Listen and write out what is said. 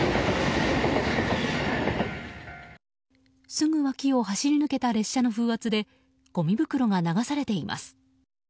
すぐ脇を走り抜けた列車の風圧でごみ袋が流されています。